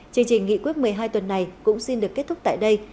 chương trình nghị quyết một mươi hai tuần này cũng xin được kết thúc tại đây